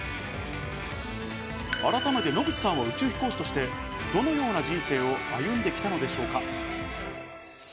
改めて野口さんは宇宙飛行士として、どのような人生を歩んできたのでしょうか。